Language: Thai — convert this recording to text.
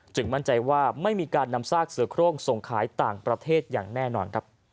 มั่นใจว่าไม่มีการนำซากเสือโครงส่งขายต่างประเทศอย่างแน่นอน